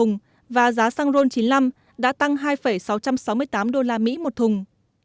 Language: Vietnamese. giá xăng ron chín mươi năm đã tăng hai sáu trăm sáu mươi tám đô la mỹ một thùng